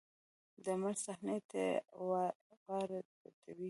د عمل صحنې ته یې واردوي.